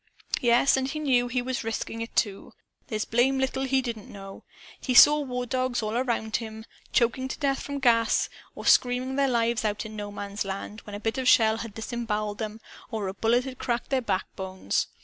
"Yes, and he knew he was risking it, too. There's blame little he didn't know. He saw war dogs, all around him, choking to death from gas, or screaming their lives out, in No Man's Land, when a bit of shell had disemboweled 'em or a bullet had cracked their backbones.